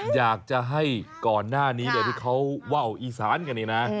อยากจะให้ก่อนหน้านี้เดี๋ยวพริกเขาว่าวอีศาลกันเลยนะ